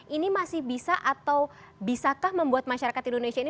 ini masih bisa atau bisakah membuat masyarakat indonesia ini